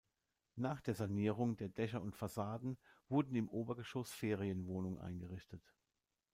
Nach der Sanierung der Dächer und Fassaden wurden im Obergeschoss Ferienwohnungen eingerichtet.